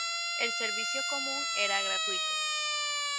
El servicio común era gratuito.